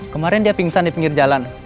kemarin dia pingsan di pinggir jalan